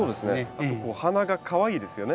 あとお花がかわいいですよね。